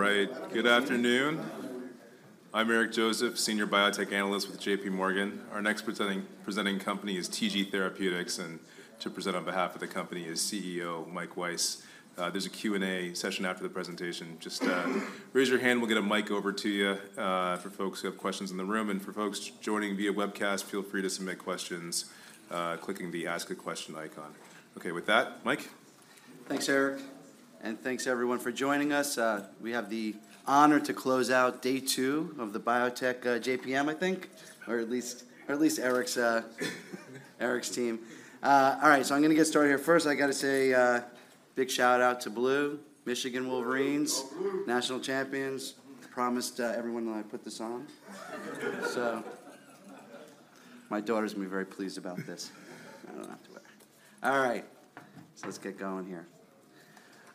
All right, good afternoon. I'm Eric Joseph, Senior Biotech Analyst with JPMorgan. Our next presenting company is TG Therapeutics, and to present on behalf of the company is CEO, Mike Weiss. There's a Q&A session after the presentation. Just raise your hand, we'll get a mic over to you for folks who have questions in the room. And for folks joining via webcast, feel free to submit questions clicking the Ask a Question icon. Okay, with that, Mike? Thanks, Eric, and thanks everyone for joining us. We have the honor to close out day two of the Biotech, JPM, I think, or at least Eric's team. All right, so I'm gonna get started here. First, I gotta say, big shout-out to Blue, Michigan Wolverines- Go Blue! National champions. Promised everyone when I put this on. So, my daughters will be very pleased about this. I don't know. All right, so let's get going here.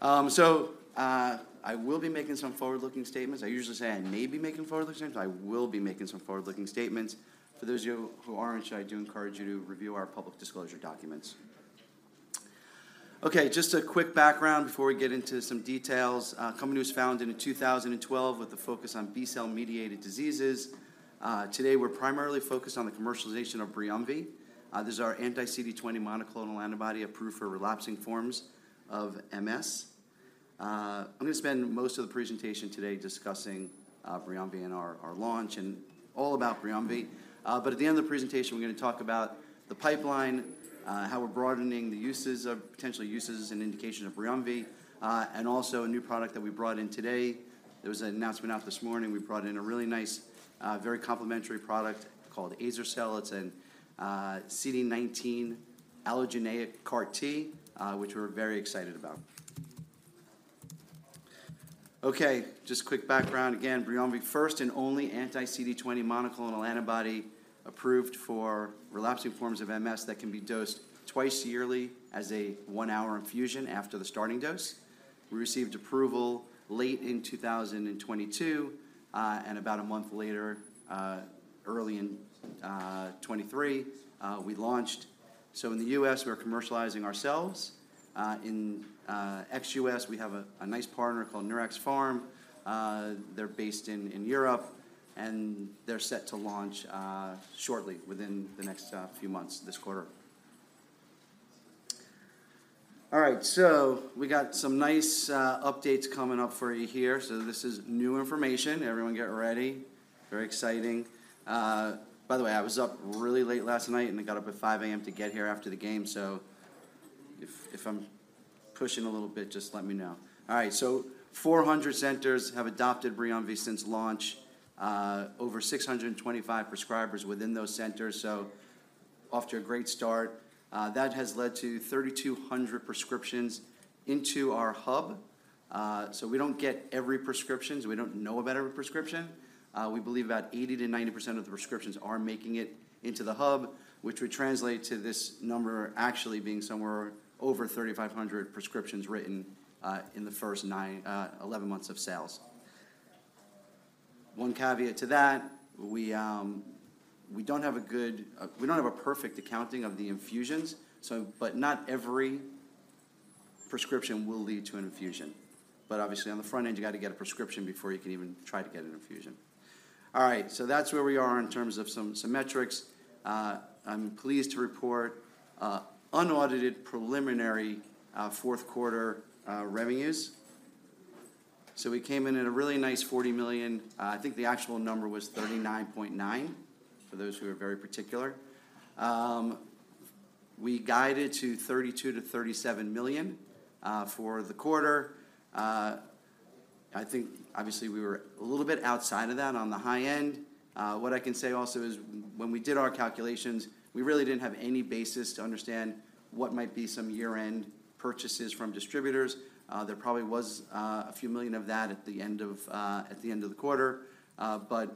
So, I will be making some forward-looking statements. I usually say I may be making forward-looking statements. I will be making some forward-looking statements. For those of you who aren't, I do encourage you to review our public disclosure documents. Okay, just a quick background before we get into some details. Company was founded in 2012 with a focus on B-cell-mediated diseases. Today, we're primarily focused on the commercialization of BRIUMVI. This is our anti-CD20 monoclonal antibody approved for relapsing forms of MS. I'm gonna spend most of the presentation today discussing BRIUMVI and our, our launch and all about BRIUMVI. But at the end of the presentation, we're gonna talk about the pipeline, how we're broadening the uses of potential uses and indication of BRIUMVI, and also a new product that we brought in today. There was an announcement out this morning. We brought in a really nice, very complementary product called azer-cel. It's an CD19 allogeneic CAR T, which we're very excited about. Okay, just quick background again. BRIUMVI, first and only anti-CD20 monoclonal antibody approved for relapsing forms of MS that can be dosed twice yearly as a one-hour infusion after the starting dose. We received approval late in 2022, and about a month later, early in 2023, we launched. So in the U.S., we're commercializing ourselves. In ex-US, we have a nice partner called Neuraxpharm. They're based in Europe, and they're set to launch shortly, within the next few months, this quarter. All right, so we got some nice updates coming up for you here. So this is new information. Everyone, get ready. Very exciting. By the way, I was up really late last night, and I got up at 5:00 A.M. to get here after the game, so if I'm pushing a little bit, just let me know. All right, so 400 centers have adopted BRIUMVI since launch. Over 625 prescribers within those centers, so off to a great start. That has led to 3,200 prescriptions into our hub. So we don't get every prescription, so we don't know about every prescription. We believe about 80%-90% of the prescriptions are making it into the hub, which would translate to this number actually being somewhere over 3,500 prescriptions written in the first 11 months of sales. One caveat to that, we don't have a perfect accounting of the infusions, so but not every prescription will lead to an infusion. But obviously, on the front end, you got to get a prescription before you can even try to get an infusion. All right, so that's where we are in terms of some metrics. I'm pleased to report unaudited, preliminary Q4 revenues. So we came in at a really nice $40 million. I think the actual number was $39.9 million, for those who are very particular. We guided to $32-$37 million for the quarter. I think obviously we were a little bit outside of that on the high end. What I can say also is when we did our calculations, we really didn't have any basis to understand what might be some year-end purchases from distributors. There probably was a few million of that at the end of the quarter, but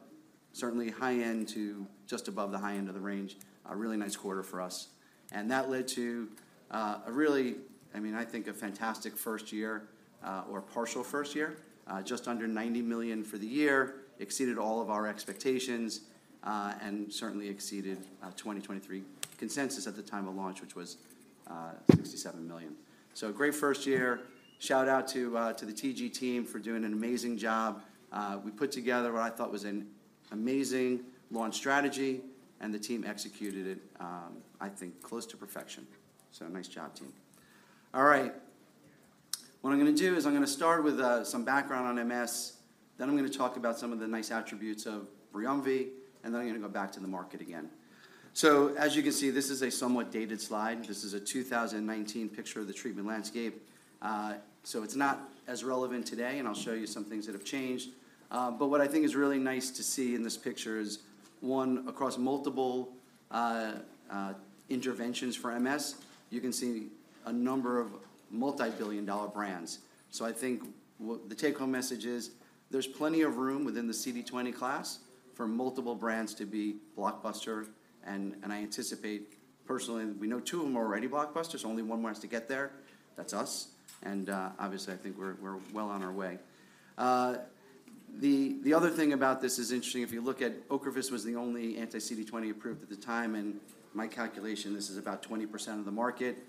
certainly high end to just above the high end of the range, a really nice quarter for us. And that led to a really, I mean, I think a fantastic first year, or partial first year. Just under $90 million for the year, exceeded all of our expectations, and certainly exceeded 2023 consensus at the time of launch, which was $67 million. So, great first year. Shout-out to, to the TG team for doing an amazing job. We put together what I thought was an amazing launch strategy, and the team executed it, I think, close to perfection. So, nice job, team. All right, what I'm gonna do is I'm gonna start with some background on MS, then I'm gonna talk about some of the nice attributes of BRIUMVI, and then I'm gonna go back to the market again. So, as you can see, this is a somewhat dated slide. This is a 2019 picture of the treatment landscape. So, it's not as relevant today, and I'll show you some things that have changed. But what I think is really nice to see in this picture is, one, across multiple interventions for MS, you can see a number of multi-billion-dollar brands. So I think what the take-home message is, there's plenty of room within the CD20 class for multiple brands to be blockbuster, and I anticipate personally, we know two of them are already blockbusters. Only one wants to get there. That's us, and obviously, I think we're well on our way. The other thing about this is interesting. If you look at Ocrevus, it was the only anti-CD20 approved at the time, and my calculation, this is about 20% of the market.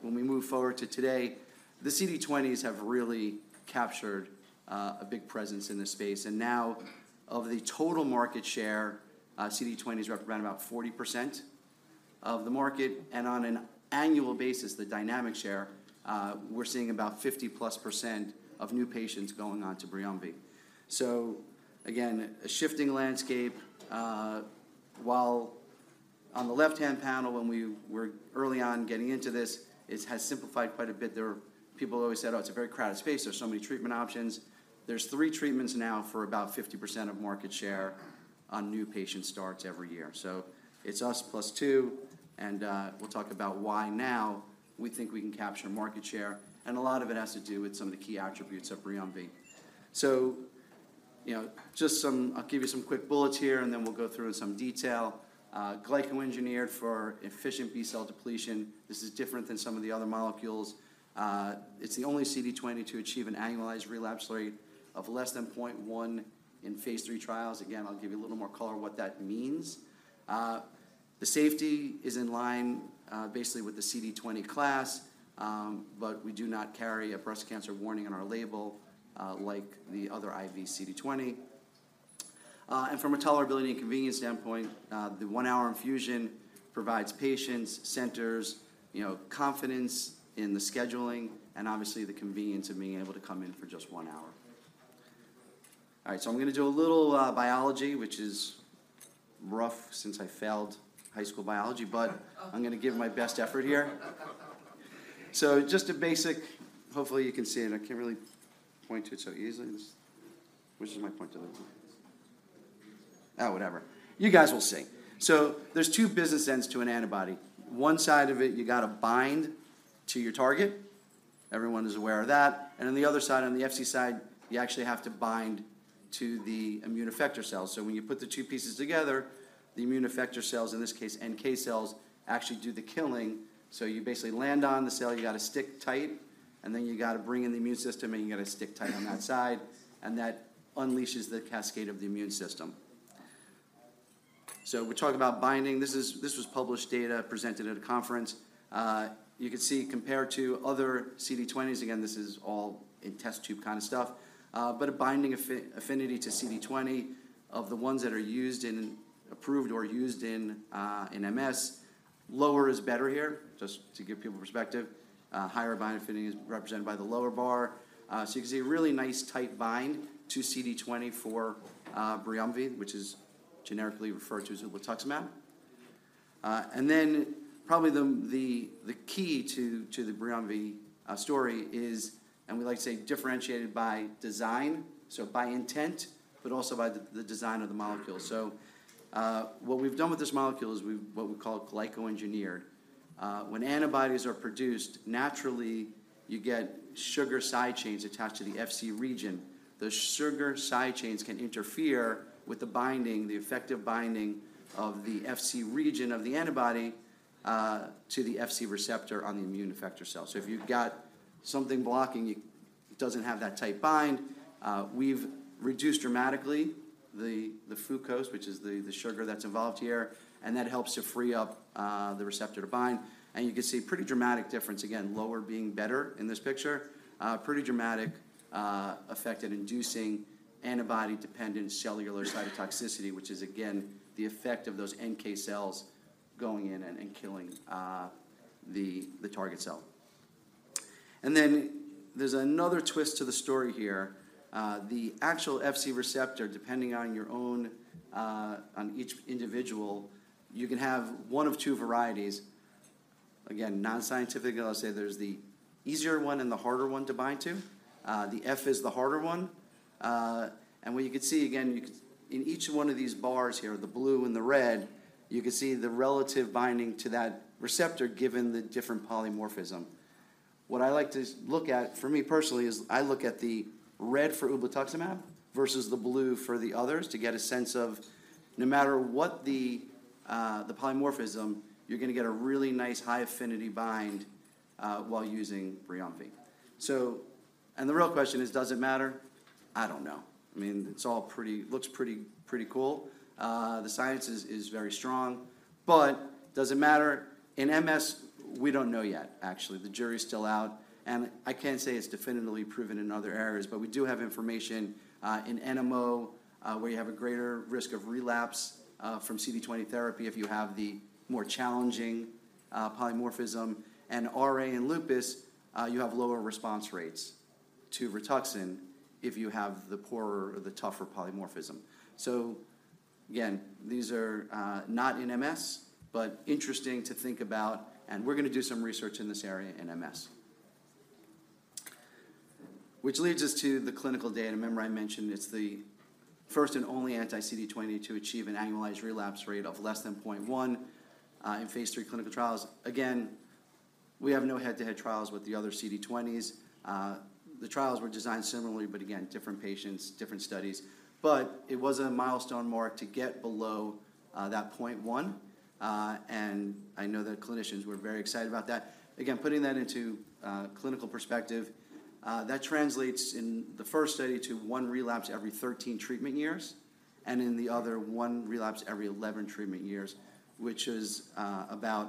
When we move forward to today, the CD20s have really captured a big presence in this space. Now, of the total market share, CD20s represent around about 40% of the market, and on an annual basis, the dynamic share, we're seeing about 50+% of new patients going on to BRIUMVI. So again, a shifting landscape, while on the left-hand panel, when we were early on getting into this, it has simplified quite a bit. There were people who always said, "Oh, it's a very crowded space. There's so many treatment options." There's three treatments now for about 50% of market share on new patient starts every year. So it's us plus two, and, we'll talk about why now we think we can capture market share, and a lot of it has to do with some of the key attributes of BRIUMVI. So, you know, just some. I'll give you some quick bullets here, and then we'll go through in some detail. Glyco-engineered for efficient B-cell depletion. This is different than some of the other molecules. It's the only CD20 to achieve an annualized relapse rate of less than 0.1 in phase III trials. Again, I'll give you a little more color on what that means. The safety is in line, basically with the CD20 class, but we do not carry a breast cancer warning on our label, like the other IV CD20. And from a tolerability and convenience standpoint, the one-hour infusion provides patients, centers, you know, confidence in the scheduling and obviously the convenience of being able to come in for just one hour. All right, so I'm gonna do a little biology, which is rough since I failed high school biology, but I'm gonna give my best effort here. So just a basic... Hopefully, you can see it. I can't really point to it so easily. Which is my pointer? Oh, whatever. You guys will see. So there's 2 business ends to an antibody. 1 side of it, you got to bind to your target. Everyone is aware of that. And on the other side, on the Fc side, you actually have to bind to the immune effector cells. So when you put the 2 pieces together, the immune effector cells, in this case, NK cells, actually do the killing. So you basically land on the cell, you got to stick tight, and then you got to bring in the immune system, and you got to stick tight on that side, and that unleashes the cascade of the immune system. So we talk about binding. This was published data presented at a conference. You can see compared to other CD20s, again, this is all in test tube kind of stuff, but a binding affinity to CD20 of the ones that are used in—approved or used in, in MS, lower is better here, just to give people perspective. Higher bind affinity is represented by the lower bar. So you can see a really nice, tight bind to CD20 for, BRIUMVI, which is generically referred to as ublituximab. And then probably the key to the BRIUMVI story is, and we like to say, differentiated by design, so by intent, but also by the design of the molecule. So, what we've done with this molecule is we've what we call glyco-engineered. When antibodies are produced, naturally, you get sugar side chains attached to the Fc region. The sugar side chains can interfere with the binding, the effective binding of the Fc region of the antibody to the Fc receptor on the immune effector cell. So if you've got something blocking, it doesn't have that tight bind. We've reduced dramatically the fucose, which is the sugar that's involved here, and that helps to free up the receptor to bind. And you can see a pretty dramatic difference, again, lower being better in this picture. Pretty dramatic effect in inducing antibody-dependent cellular cytotoxicity, which is, again, the effect of those NK cells going in and killing the target cell. And then there's another twist to the story here. The actual Fc receptor, depending on your own-- on each individual, you can have one of two varieties. Again, non-scientific, I'll say there's the easier one and the harder one to bind to. The F is the harder one. And what you can see, again, in each one of these bars here, the blue and the red, you can see the relative binding to that receptor, given the different polymorphism. What I like to look at, for me personally, is I look at the red for ublituximab versus the blue for the others to get a sense of no matter what the polymorphism, you're gonna get a really nice high-affinity bind while using BRIUMVI. So, and the real question is, does it matter? I don't know. I mean, it's all pretty, looks pretty, pretty cool. The science is very strong, but does it matter? In MS, we don't know yet, actually. The jury is still out, and I can't say it's definitively proven in other areas, but we do have information in NMO, where you have a greater risk of relapse from CD20 therapy if you have the more challenging polymorphism. And RA and lupus, you have lower response rates to Rituxan if you have the poorer or the tougher polymorphism. So again, these are, not in MS, but interesting to think about, and we're gonna do some research in this area in MS. Which leads us to the clinical data. Remember I mentioned it's the first and only anti-CD20 to achieve an annualized relapse rate of less than 0.1, in phase III clinical trials. Again, we have no head-to-head trials with the other CD20s. The trials were designed similarly, but again, different patients, different studies.... but it was a milestone mark to get below, that 0.1, and I know that clinicians were very excited about that. Again, putting that into clinical perspective, that translates in the first study to 1 relapse every 13 treatment years, and in the other, 1 relapse every 11 treatment years, which is about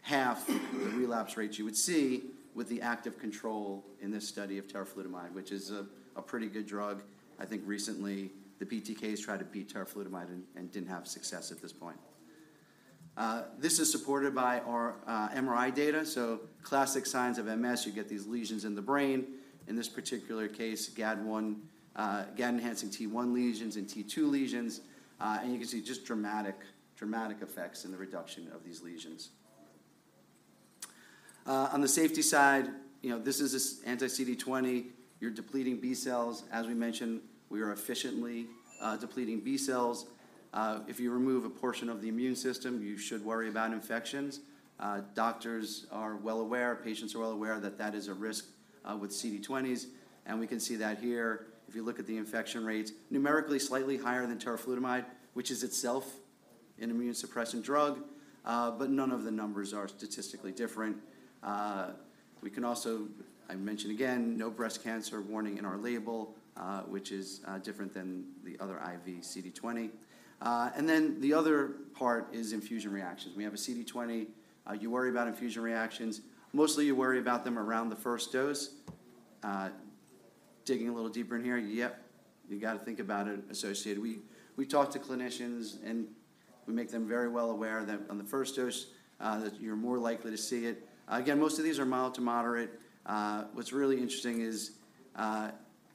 half the relapse rates you would see with the active control in this study of Teriflunomide, which is a pretty good drug. I think recently the BTKs tried to beat Teriflunomide and didn't have success at this point. This is supported by our MRI data. So classic signs of MS, you get these lesions in the brain. In this particular case, gad-enhancing T1 lesions and T2 lesions, and you can see just dramatic, dramatic effects in the reduction of these lesions. On the safety side, you know, this is a anti-CD20. You're depleting B cells. As we mentioned, we are efficiently depleting B cells. If you remove a portion of the immune system, you should worry about infections. Doctors are well aware, patients are well aware that that is a risk, with CD20s, and we can see that here. If you look at the infection rates, numerically slightly higher than Teriflunomide, which is itself an immune suppressant drug, but none of the numbers are statistically different. We can also... I mention again, no breast cancer warning in our label, which is, different than the other IV CD20. And then the other part is infusion reactions. We have a CD20, you worry about infusion reactions. Mostly, you worry about them around the first dose. Digging a little deeper in here, yep, you gotta think about it associated. We talk to clinicians, and we make them very well aware that on the first dose, that you're more likely to see it. Again, most of these are mild to moderate. What's really interesting is,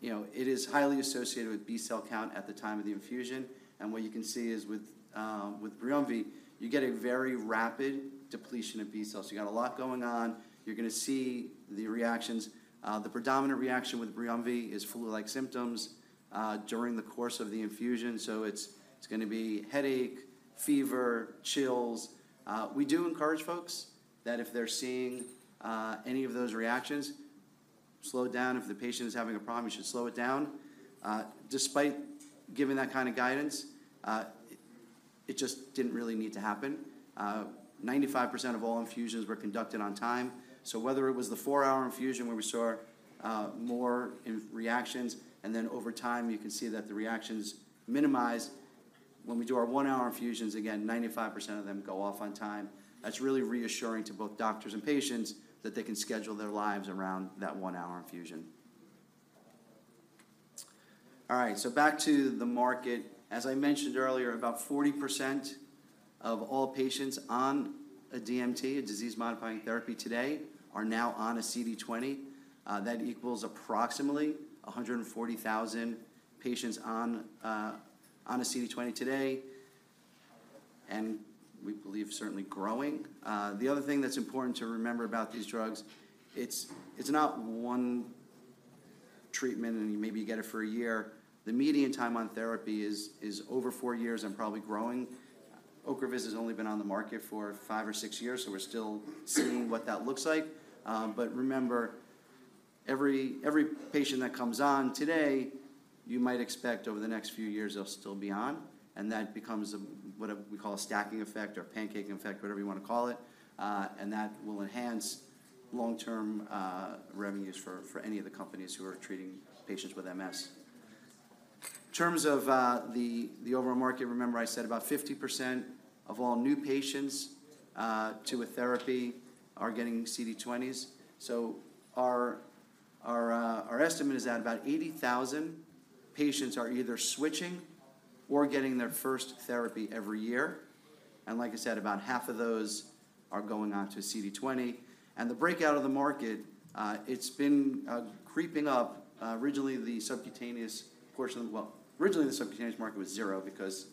you know, it is highly associated with B-cell count at the time of the infusion, and what you can see is with BRIUMVI, you get a very rapid depletion of B cells. You got a lot going on. You're gonna see the reactions. The predominant reaction with BRIUMVI is flu-like symptoms during the course of the infusion, so it's gonna be headache, fever, chills. We do encourage folks that if they're seeing any of those reactions, slow down. If the patient is having a problem, you should slow it down. Despite giving that kind of guidance, it just didn't really need to happen. 95% of all infusions were conducted on time, so whether it was the 4-hour infusion where we saw more in reactions, and then over time, you can see that the reactions minimize. When we do our 1-hour infusions, again, 95% of them go off on time. That's really reassuring to both doctors and patients that they can schedule their lives around that 1-hour infusion. All right, so back to the market. As I mentioned earlier, about 40% of all patients on a DMT, a disease-modifying therapy today, are now on a CD20. That equals approximately 140,000 patients on a CD20 today, and we believe certainly growing. The other thing that's important to remember about these drugs, it's not one treatment, and you maybe get it for a year. The median time on therapy is over four years and probably growing. Ocrevus has only been on the market for five or six years, so we're still seeing what that looks like. But remember, every patient that comes on today, you might expect over the next few years they'll still be on, and that becomes what we call a stacking effect or a pancaking effect, whatever you wanna call it, and that will enhance long-term revenues for any of the companies who are treating patients with MS. In terms of the overall market, remember I said about 50% of all new patients to a therapy are getting CD20s. So our estimate is that about 80,000 patients are either switching or getting their first therapy every year, and like I said, about half of those are going on to a CD20. And the breakout of the market, it's been creeping up. Originally, the subcutaneous portion... Well, originally, the subcutaneous market was zero because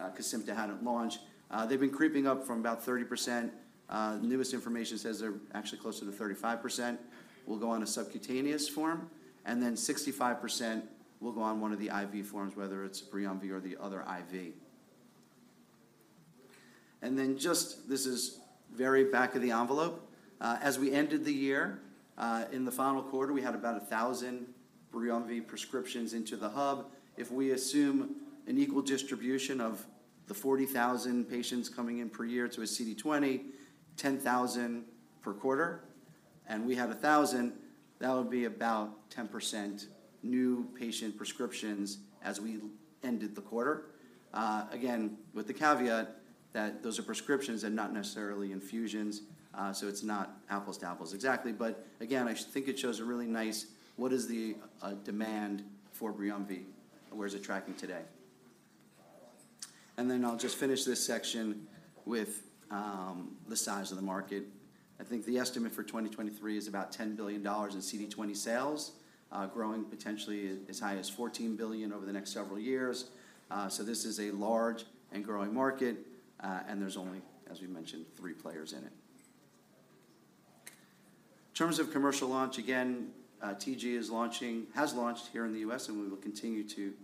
Kesimpta hadn't launched. They've been creeping up from about 30%. The newest information says they're actually closer to 35% will go on a subcutaneous form, and then 65% will go on one of the IV forms, whether it's BRIUMVI or the other IV. And then just... This is very back of the envelope. As we ended the year, in the final quarter, we had about 1,000 BRIUMVI prescriptions into the hub. If we assume an equal distribution of the 40,000 patients coming in per year to a CD20, 10,000 per quarter, and we have a 1,000, that would be about 10% new patient prescriptions as we ended the quarter. Again, with the caveat that those are prescriptions and not necessarily infusions, so it's not apples to apples exactly. But again, I just think it shows a really nice, what is the demand for BRIUMVI, and where is it tracking today? And then I'll just finish this section with the size of the market. I think the estimate for 2023 is about $10 billion in CD20 sales, growing potentially as high as $14 billion over the next several years. So this is a large and growing market, and there's only, as we mentioned, three players in it. In terms of commercial launch, again, TG has launched here in the US, and we will continue to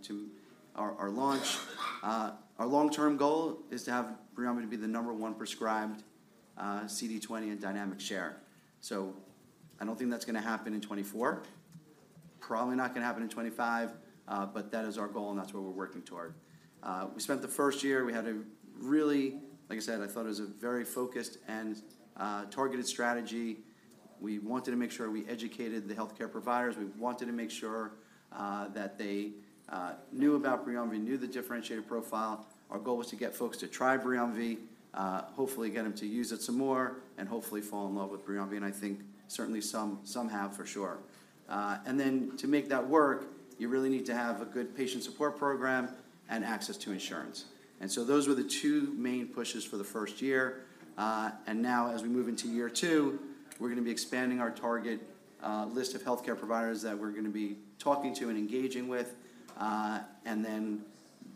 our launch. Our long-term goal is to have BRIUMVI be the number one prescribed CD20 in dynamic share. I don't think that's gonna happen in 2024. Probably not gonna happen in 2025, but that is our goal, and that's what we're working toward. We spent the first year, we had a really like I said, I thought it was a very focused and targeted strategy. We wanted to make sure we educated the healthcare providers. We wanted to make sure that they knew about BRIUMVI, knew the differentiated profile. Our goal was to get folks to try BRIUMVI, hopefully get them to use it some more, and hopefully fall in love with BRIUMVI, and I think certainly some have for sure. And then to make that work, you really need to have a good patient support program and access to insurance. And so those were the two main pushes for the first year. And now as we move into year two, we're gonna be expanding our target list of healthcare providers that we're gonna be talking to and engaging with. And then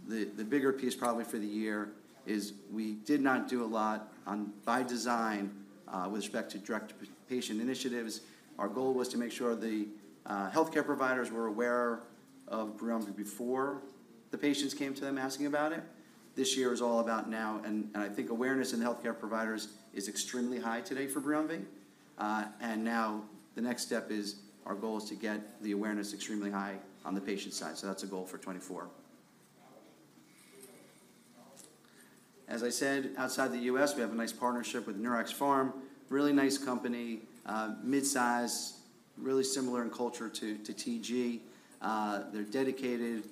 the bigger piece probably for the year is we did not do a lot on by design with respect to direct patient initiatives. Our goal was to make sure the healthcare providers were aware of BRIUMVI before the patients came to them asking about it. This year is all about now, and I think awareness in the healthcare providers is extremely high today for BRIUMVI. And now the next step is our goal is to get the awareness extremely high on the patient side. So that's a goal for 2024. As I said, outside the US, we have a nice partnership with Neuraxpharm. Really nice company, mid-size, really similar in culture to TG. They're dedicated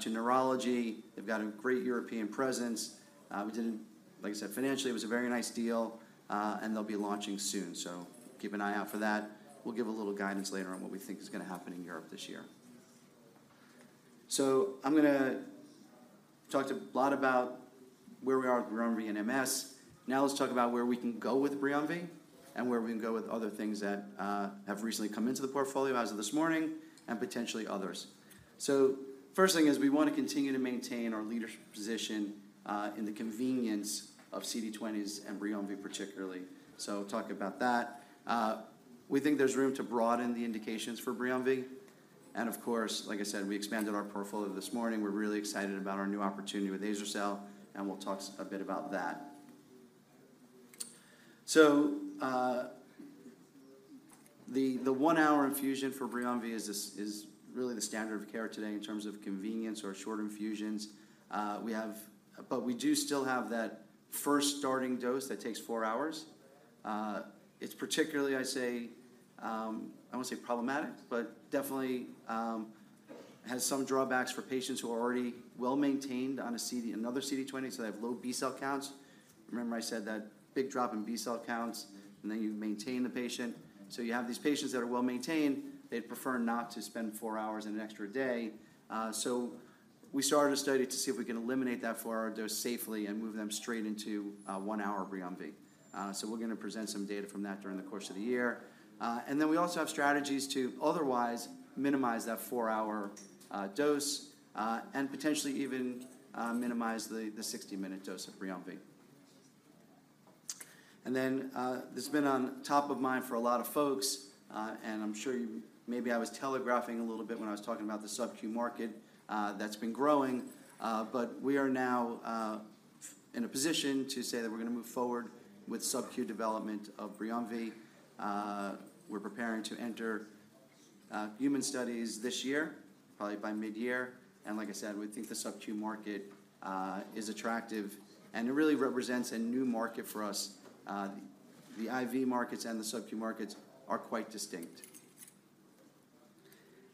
to neurology. They've got a great European presence. Like I said, financially, it was a very nice deal, and they'll be launching soon. So keep an eye out for that. We'll give a little guidance later on what we think is gonna happen in Europe this year. So I'm gonna talk a lot about where we are with BRIUMVI and MS. Now let's talk about where we can go with BRIUMVI and where we can go with other things that have recently come into the portfolio as of this morning and potentially others. So first thing is we wanna continue to maintain our leadership position in the convenience of CD20s and BRIUMVI particularly. So we'll talk about that. We think there's room to broaden the indications for BRIUMVI. And of course, like I said, we expanded our portfolio this morning. We're really excited about our new opportunity with azer-cel, and we'll talk a bit about that. So the 1-hour infusion for BRIUMVI is really the standard of care today in terms of convenience or short infusions. We have but we do still have that first starting dose that takes 4 hours. It's particularly, I say, I won't say problematic, but definitely has some drawbacks for patients who are already well-maintained on a CD20, another CD20, so they have low B-cell counts. Remember I said that big drop in B-cell counts, and then you maintain the patient. So you have these patients that are well-maintained, they'd prefer not to spend four hours in an extra day. So we started a study to see if we can eliminate that four-hour dose safely and move them straight into a one-hour BRIUMVI. So we're gonna present some data from that during the course of the year. And then we also have strategies to otherwise minimize that four-hour dose, and potentially even minimize the 60-minute dose of BRIUMVI. And then, this has been on top of mind for a lot of folks, and I'm sure you—maybe I was telegraphing a little bit when I was talking about the Sub-Q market, that's been growing, but we are now in a position to say that we're gonna move forward with Sub-Q development of BRIUMVI. We're preparing to enter human studies this year, probably by mid-year. And like I said, we think the Sub-Q market is attractive, and it really represents a new market for us. The IV markets and the Sub-Q markets are quite distinct.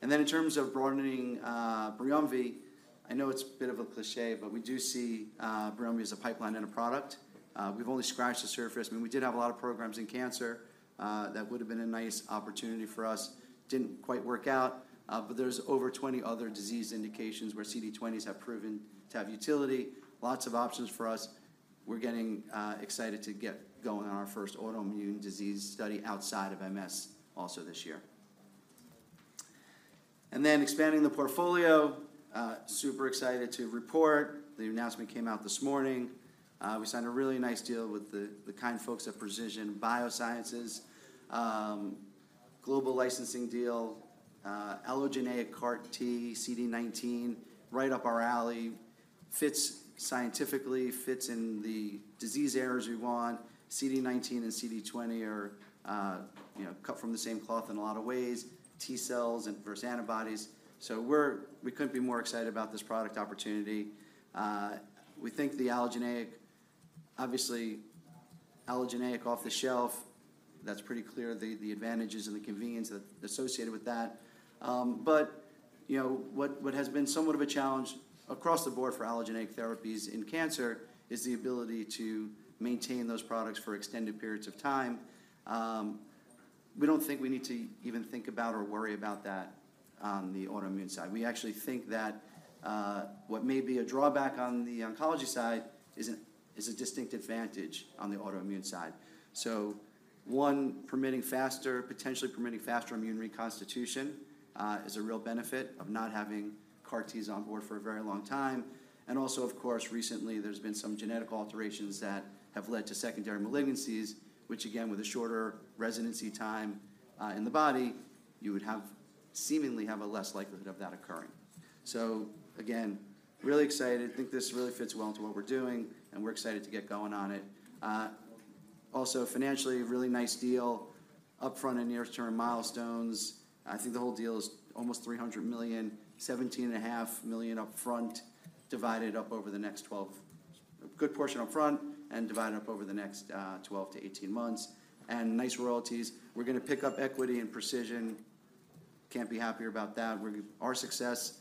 And then in terms of broadening BRIUMVI, I know it's a bit of a cliché, but we do see BRIUMVI as a pipeline and a product. We've only scratched the surface. I mean, we did have a lot of programs in cancer that would have been a nice opportunity for us. Didn't quite work out, but there's over 20 other disease indications where CD20s have proven to have utility. Lots of options for us. We're getting excited to get going on our first autoimmune disease study outside of MS also this year. And then expanding the portfolio, super excited to report. The announcement came out this morning. We signed a really nice deal with the kind folks at Precision BioSciences, global licensing deal, allogeneic CAR T, CD19, right up our alley, fits scientifically, fits in the disease areas we want. CD19 and CD20 are, you know, cut from the same cloth in a lot of ways, T cells and versus antibodies. So we couldn't be more excited about this product opportunity. We think the allogeneic, obviously, allogeneic off the shelf, that's pretty clear, the advantages and the convenience associated with that. But, you know, what has been somewhat of a challenge across the board for allogeneic therapies in cancer is the ability to maintain those products for extended periods of time. We don't think we need to even think about or worry about that on the autoimmune side. We actually think that what may be a drawback on the oncology side is a distinct advantage on the autoimmune side. So one, permitting faster, potentially permitting faster immune reconstitution, is a real benefit of not having CAR Ts on board for a very long time. Also, of course, recently, there's been some genetic alterations that have led to secondary malignancies, which again, with a shorter residency time in the body, you would seemingly have a less likelihood of that occurring. So again, really excited. I think this really fits well into what we're doing, and we're excited to get going on it. Also financially, a really nice deal, upfront and near-term milestones. I think the whole deal is almost $300 million, $17.5 million upfront, divided up over the next 12—a good portion upfront, and divided up over the next 12-18 months, and nice royalties. We're gonna pick up equity and Precision. Can't be happier about that. Our success,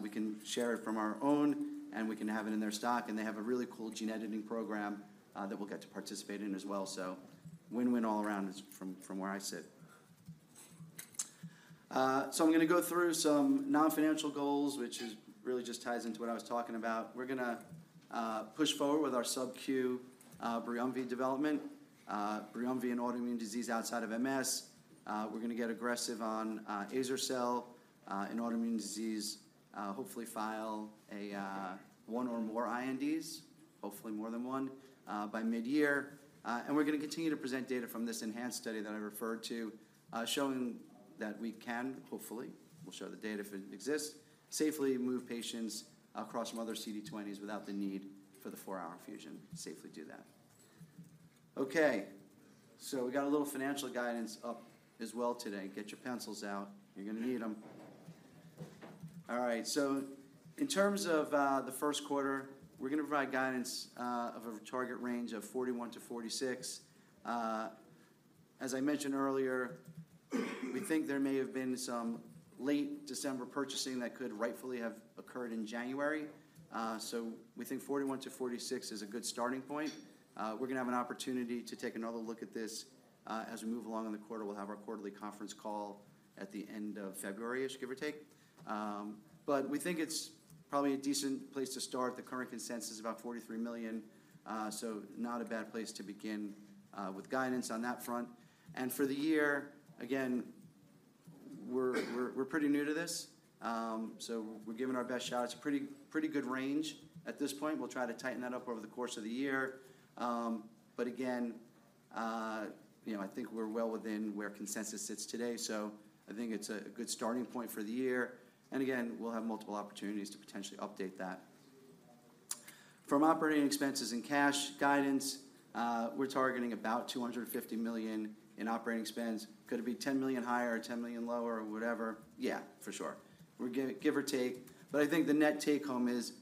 we can share it from our own, and we can have it in their stock, and they have a really cool gene editing program that we'll get to participate in as well. So win-win all around is from where I sit. So I'm gonna go through some non-financial goals, which really just ties into what I was talking about. We're gonna push forward with our subcu BRIUMVI development, BRIUMVI and autoimmune disease outside of MS. We're gonna get aggressive on azer-cel in autoimmune disease, hopefully file one or more INDs, hopefully more than one, by midyear. And we're gonna continue to present data from this enhanced study that I referred to, showing that we can, hopefully, we'll show the data if it exists, safely move patients across from other CD20s without the need for the four-hour infusion, safely do that. Okay, so we got a little financial guidance up as well today. Get your pencils out. You're gonna need them. All right, so in terms of the Q1, we're gonna provide guidance of a target range of $41-$46. As I mentioned earlier, we think there may have been some late December purchasing that could rightfully have occurred in January. So we think $41-$46 is a good starting point. We're gonna have an opportunity to take another look at this as we move along in the quarter. We'll have our quarterly conference call at the end of February-ish, give or take. But we think it's probably a decent place to start. The current consensus is about $43 million, so not a bad place to begin, with guidance on that front. And for the year, again, we're pretty new to this, so we're giving our best shot. It's a pretty good range at this point. We'll try to tighten that up over the course of the year. But again, you know, I think we're well within where consensus sits today, so I think it's a good starting point for the year. And again, we'll have multiple opportunities to potentially update that. From operating expenses and cash guidance, we're targeting about $250 million in operating expense. Could it be $10 million higher or $10 million lower or whatever? Yeah, for sure. We're give or take, but I think the net take-home is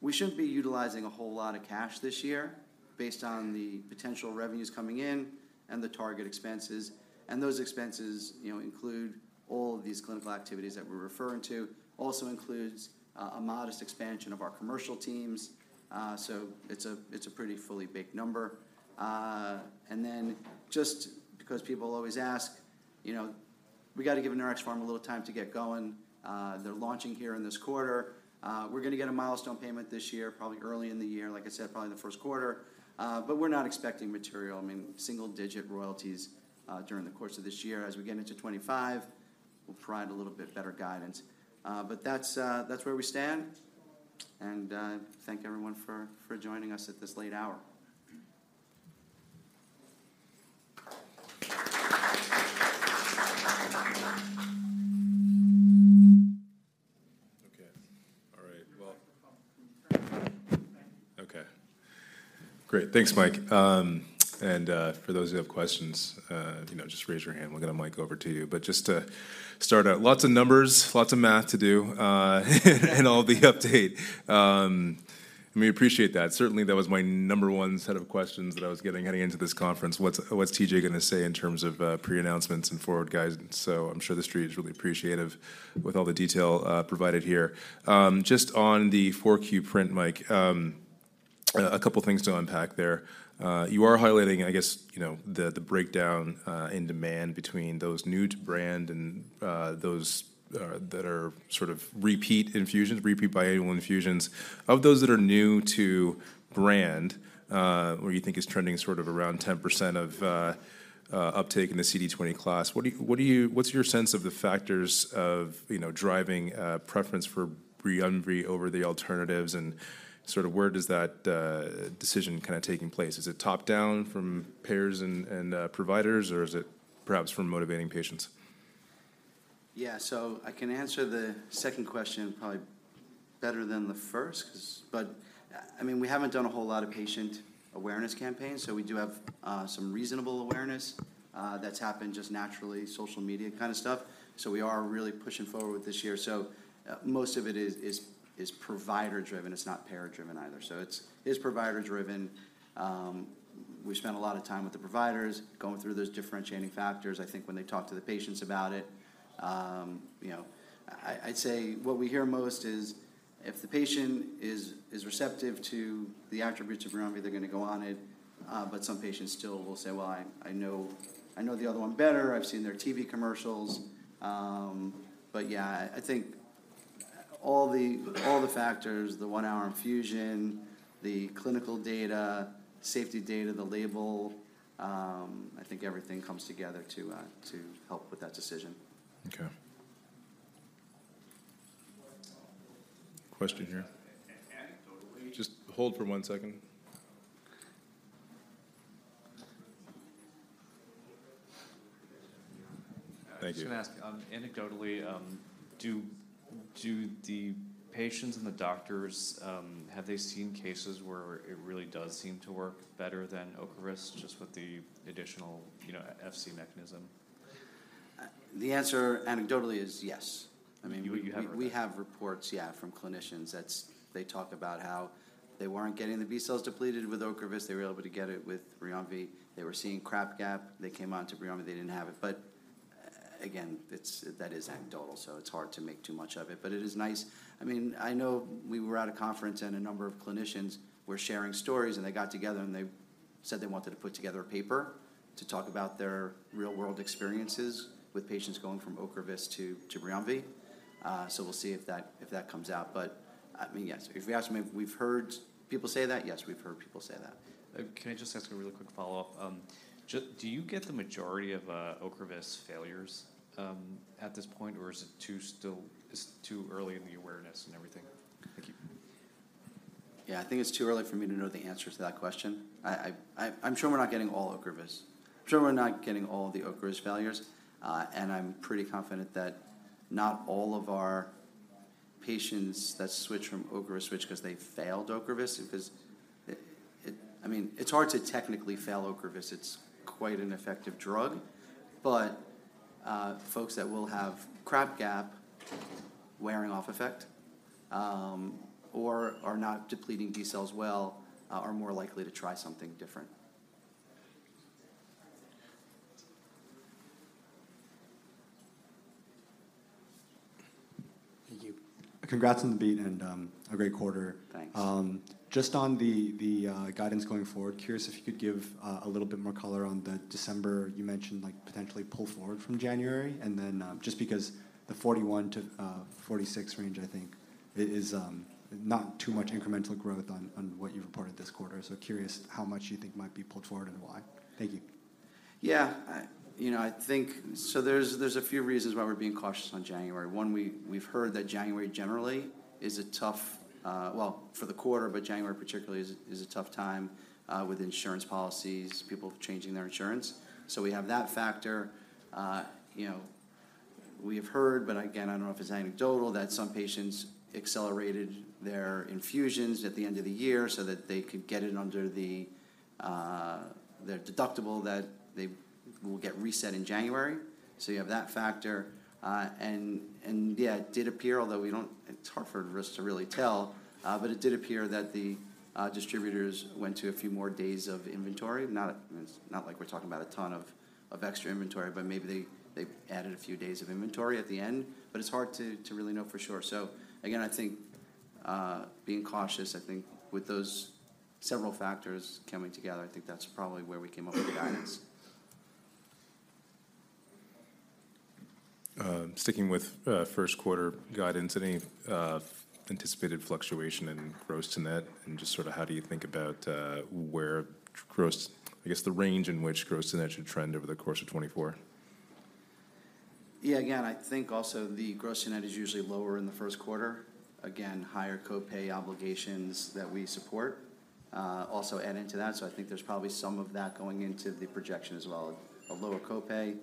we shouldn't be utilizing a whole lot of cash this year based on the potential revenues coming in and the target expenses, and those expenses, you know, include all of these clinical activities that we're referring to. Also includes a modest expansion of our commercial teams, so it's a pretty fully baked number. And then just because people always ask, you know, we got to give Neuraxpharm a little time to get going. They're launching here in this quarter. We're gonna get a milestone payment this year, probably early in the year, like I said, probably in the Q1, but we're not expecting material, I mean, single-digit royalties, during the course of this year. As we get into 25, we'll provide a little bit better guidance. But that's where we stand, and thank everyone for joining us at this late hour. Okay. All right. Well... Okay, great. Thanks, Mike. And, for those who have questions, you know, just raise your hand. We'll get a mic over to you. But just to start out, lots of numbers, lots of math to do in all the update. We appreciate that. Certainly, that was my number one set of questions that I was getting heading into this conference. What's TG gonna say in terms of pre-announcements and forward guidance? So I'm sure the street is really appreciative with all the detail provided here. Just on the 4Q print, Mike, a couple things to unpack there. You are highlighting, I guess, you know, the breakdown in demand between those new to brand and those that are sort of repeat infusions, repeat biannual infusions. Of those that are new to brand, where you think is trending sort of around 10% of uptake in the CD20 class, what do you, what do you, what's your sense of the factors of, you know, driving preference for BRIUMVI over the alternatives, and sort of where does that decision kinda taking place? Is it top-down from payers and providers, or is it perhaps from motivating patients? Yeah, so I can answer the second question probably better than the first because. But, I mean, we haven't done a whole lot of patient awareness campaigns, so we do have some reasonable awareness that's happened just naturally, social media kind of stuff, so we are really pushing forward with this year. So, most of it is provider-driven. It's not payer-driven either. So it's provider-driven. We spent a lot of time with the providers, going through those differentiating factors. I think when they talk to the patients about it, you know, I'd say what we hear most is, if the patient is receptive to the attributes of BRIUMVI, they're gonna go on it. But some patients still will say, "Well, I know the other one better. I've seen their TV commercials." But yeah, I think all the factors, the one-hour infusion, the clinical data, safety data, the label, I think everything comes together to help with that decision. Okay. Question here. Just hold for one second.... I was going to ask, anecdotally, do the patients and the doctors, have they seen cases where it really does seem to work better than Ocrevus, just with the additional, you know, Fc mechanism? The answer anecdotally is yes. I mean- You have- We have reports, yeah, from clinicians. That's. They talk about how they weren't getting the B cells depleted with Ocrevus. They were able to get it with BRIUMVI. They were seeing crap gap. They came on to BRIUMVI, they didn't have it. But, again, it's. That is anecdotal, so it's hard to make too much of it, but it is nice. I mean, I know we were at a conference, and a number of clinicians were sharing stories, and they got together, and they said they wanted to put together a paper to talk about their real-world experiences with patients going from Ocrevus to BRIUMVI. So we'll see if that comes out. But, I mean, yes, if we ask, I mean, we've heard people say that? Yes, we've heard people say that. Can I just ask a really quick follow-up? Just... Do you get the majority of Ocrevus failures at this point, or is it still too early in the awareness and everything? Thank you. Yeah, I think it's too early for me to know the answer to that question. I'm sure we're not getting all Ocrevus. I'm sure we're not getting all of the Ocrevus failures, and I'm pretty confident that not all of our patients that switch from Ocrevus switch 'cause they failed Ocrevus. Because I mean, it's hard to technically fail Ocrevus. It's quite an effective drug. But, folks that will have crap gap, wearing off effect, or are not depleting B cells well, are more likely to try something different. Thank you. Congrats on the beat and, a great quarter. Thanks. Just on the guidance going forward, curious if you could give a little bit more color on the December. You mentioned, like, potentially pull forward from January, and then, just because the 41-46 range, I think, is not too much incremental growth on what you've reported this quarter. So curious how much you think might be pulled forward and why. Thank you. Yeah. You know, I think. So there's a few reasons why we're being cautious on January. One, we've heard that January generally is a tough. Well, for the quarter, but January particularly is a tough time with insurance policies, people changing their insurance. So we have that factor. You know, we've heard, but again, I don't know if it's anecdotal, that some patients accelerated their infusions at the end of the year so that they could get it under the their deductible that they will get reset in January. So you have that factor. And yeah, it did appear, although we don't-- it's hard for us to really tell, but it did appear that the distributors went to a few more days of inventory. No, it's not like we're talking about a ton of extra inventory, but maybe they added a few days of inventory at the end, but it's hard to really know for sure. So again, I think being cautious, I think with those several factors coming together, I think that's probably where we came up with the guidance. Sticking with Q1 guidance, any anticipated fluctuation in gross to net, and just sort of how do you think about where gross—I guess, the range in which gross to net should trend over the course of 2024? Yeah, again, I think also the gross to net is usually lower in the Q1. Again, higher co-pay obligations that we support also add into that, so I think there's probably some of that going into the projection as well. A lower co-pay,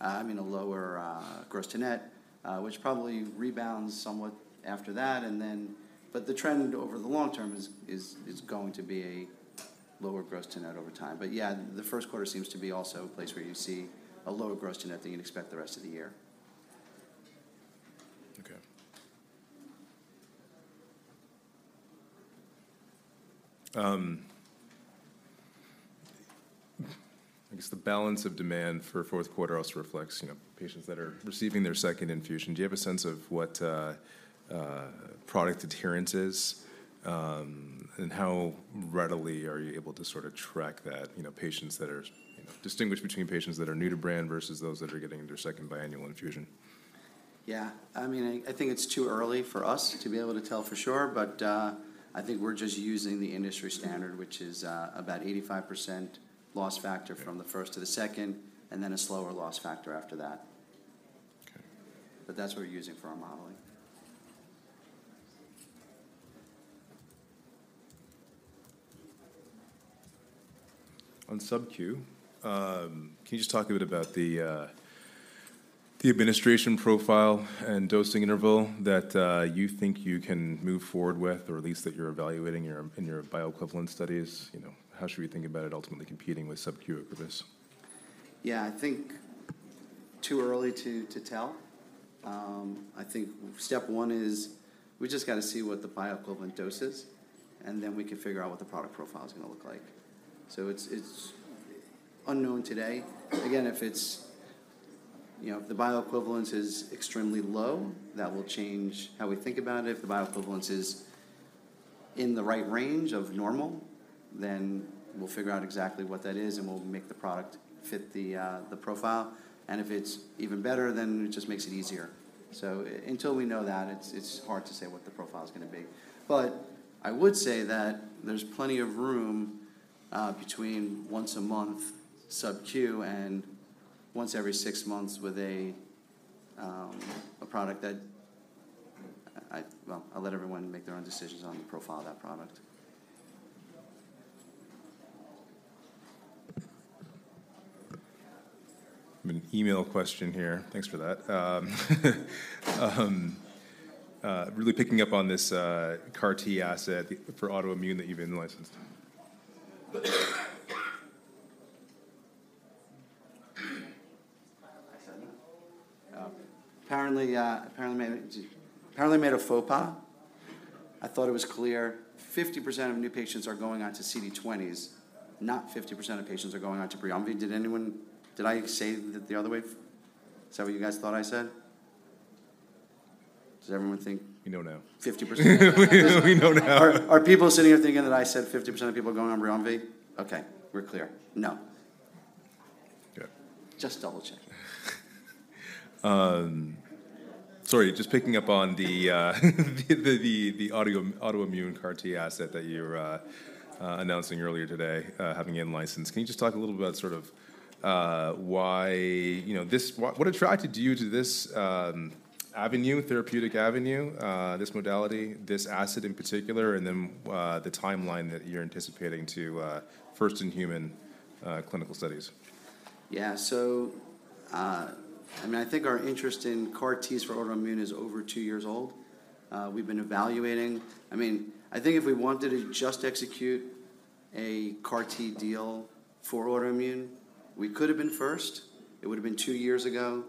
I mean, a lower gross to net, which probably rebounds somewhat after that, and then... But the trend over the long term is going to be a lower gross to net over time. But yeah, the Q1 seems to be also a place where you see a lower gross to net than you'd expect the rest of the year. Okay. I guess the balance of demand for Q4 also reflects, you know, patients that are receiving their second infusion. Do you have a sense of what product adherence is, and how readily are you able to sort of track that, you know, patients that are... distinguish between patients that are new to brand versus those that are getting their second biannual infusion? Yeah. I mean, I think it's too early for us to be able to tell for sure, but I think we're just using the industry standard, which is about 85% loss factor from the first to the second, and then a slower loss factor after that. Okay. But that's what we're using for our modeling. On Sub-Q, can you just talk a bit about the administration profile and dosing interval that you think you can move forward with, or at least that you're evaluating in your bioequivalent studies? You know, how should we think about it ultimately competing with Sub-Q Ocrevus? Yeah, I think too early to tell. I think step one is we just got to see what the bioequivalent dose is, and then we can figure out what the product profile is gonna look like. So it's unknown today. Again, if it's, you know, if the bioequivalence is extremely low, that will change how we think about it. If the bioequivalence is in the right range of normal, then we'll figure out exactly what that is, and we'll make the product fit the profile. And if it's even better, then it just makes it easier. So until we know that, it's hard to say what the profile is gonna be. But I would say that there's plenty of room between once a month Sub-Q and once every six months with a product that I... Well, I'll let everyone make their own decisions on the profile of that product. ... An email question here. Thanks for that. Really picking up on this CAR T asset for autoimmune that you've in-licensed. Apparently I made a faux pas. I thought it was clear 50% of new patients are going on to CD20s, not 50% of patients are going on to BRIUMVI. Did anyone— Did I say it the other way? Is that what you guys thought I said? Does everyone think- We know now. Fifty percent? We know now. Are people sitting here thinking that I said 50% of people are going on BRIUMVI? Okay, we're clear. No. Okay. Just double-checking. Sorry, just picking up on the autoimmune CAR T asset that you're announcing earlier today, having in-licensed. Can you just talk a little about sort of why, you know, this... what attracted you to this avenue, therapeutic avenue, this modality, this asset in particular, and then the timeline that you're anticipating to first in human clinical studies? Yeah. So, I mean, I think our interest in CAR Ts for autoimmune is over two years old. We've been evaluating... I mean, I think if we wanted to just execute a CAR T deal for autoimmune, we could've been first. It would've been two years ago.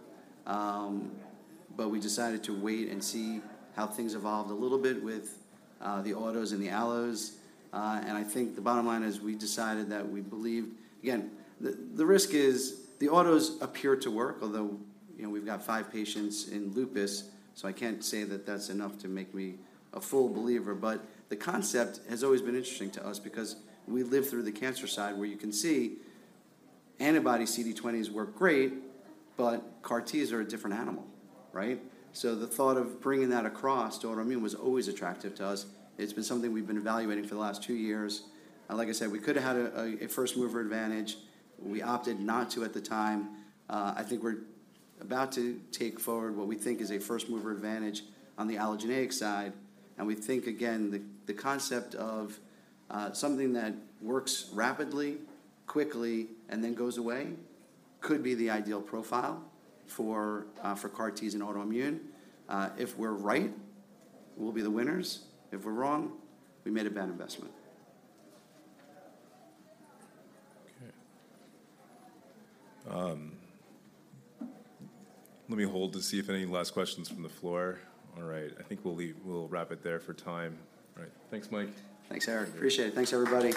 But we decided to wait and see how things evolved a little bit with the autos and the allos. And I think the bottom line is, we decided that we believed—Again, the risk is the autos appear to work, although, you know, we've got five patients in lupus, so I can't say that that's enough to make me a full believer. But the concept has always been interesting to us because we lived through the cancer side, where you can see anti-CD20 antibodies work great, but CAR Ts are a different animal, right? So the thought of bringing that across to autoimmune was always attractive to us. It's been something we've been evaluating for the last two years, and like I said, we could've had a first-mover advantage. We opted not to at the time. I think we're about to take forward what we think is a first-mover advantage on the allogeneic side, and we think, again, the concept of something that works rapidly, quickly, and then goes away, could be the ideal profile for CAR Ts in autoimmune. If we're right, we'll be the winners. If we're wrong, we made a bad investment. Okay. Let me see if any last questions from the floor. All right. I think we'll wrap it there for time. All right. Thanks, Mike. Thanks, Eric. Appreciate it. Thanks, everybody.